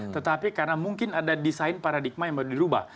tetapi karena mungkin ada desain paradigma yang baru dirubah